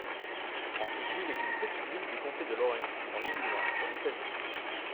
Francisville est une petite ville du comté de Lawrence, dans l'Illinois, aux États-Unis.